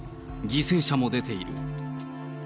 犠牲者も出ている。